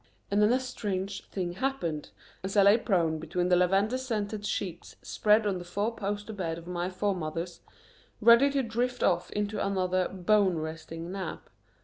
And then a strange thing happened, as I lay prone between the lavender scented sheets spread on the four poster bed of my foremothers, ready to drift off into another "bone resting" nap.